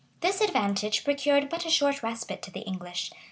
This advantage procured but a short respite to the English.